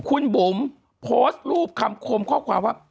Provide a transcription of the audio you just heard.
คุณบุ๋มโพสต์รูปคำคมข้อความว่า